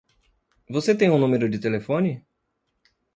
Você tem um número de telefone?